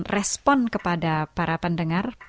respon kepada para pendengar